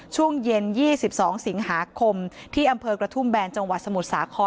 ช่วงเย็น๒๒สิงหาคมที่อำเภอกระทุ่มแบนจังหวัดสมุทรสาคร